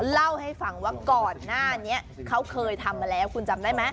เล่าให้ฟังว่าก่อนหน้านี้เขาเคยทำมาแล้วคุณจำได้ไหม